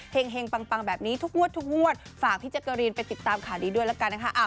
เฮ่งปังแบบนี้ทุกฝากที่เจ้ากะรีนไปติดตามขาดีด้วยแล้วกันนะคะ